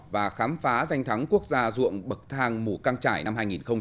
và khám phá danh thắng quốc gia ruộng bậc thang mù căng trải năm hai nghìn một mươi chín